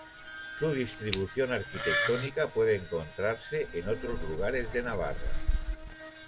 Su distribución arquitectónica puede encontrarse en otros lugares de Navarra.